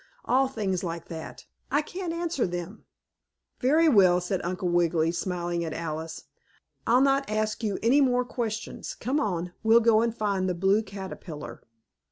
All things like that. I can't answer them!" "Very well," said Uncle Wiggily, smiling at Alice. "I'll not ask you any more questions. Come on! We'll go find the Blue Caterpillar."